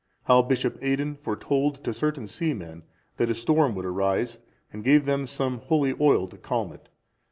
How Bishop Aidan foretold to certain seamen that a storm would arise, and gave them some holy oil to calm it.